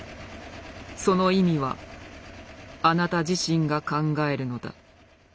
その意味はあなた自身が考えるのだ。